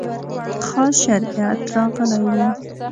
خاص شریعت راغلی و.